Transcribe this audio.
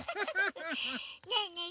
ねえねえ